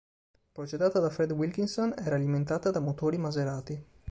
Progettata da Fred Wilkinson, era alimentata da motori Maserati.